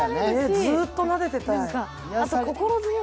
ずっとなでてたい。